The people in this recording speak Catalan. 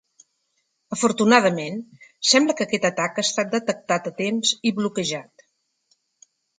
Afortunadament, sembla que aquest atac ha estat detectat a temps i bloquejat.